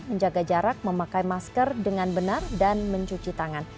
menjaga jarak memakai masker dengan benar dan mencuci tangan